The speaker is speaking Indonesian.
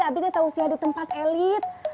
abi teh tahu siar di tempat elit